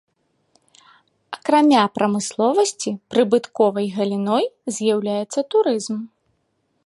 Акрамя прамысловасці прыбытковай галіной з'яўляецца турызм.